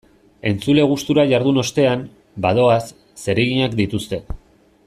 Entzule gustura jardun ostean, badoaz, zereginak dituzte.